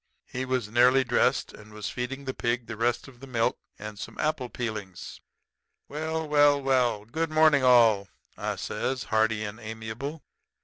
He was nearly dressed, and was feeding the pig the rest of the milk and some apple peelings. "'Well, well, well, good morning all,' I says, hearty and amiable.